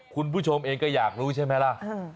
คุณผู้ชมเองก็อยากรู้ใช่ไหมล่ะ